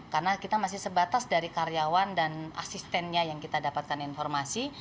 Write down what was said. karena kita masih sebatas dari karyawan dan asistennya yang kita dapatkan informasi